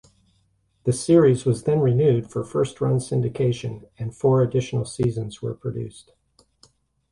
The series was then renewed for first-run syndication, and four additional seasons were produced.